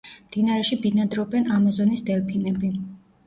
მდინარეში ბინადრობენ ამაზონის დელფინები.